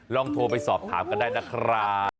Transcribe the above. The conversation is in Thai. ๐๘๔๗๔๒๑๐๕๗ลองโทรไปสอบถามกันได้นะครับ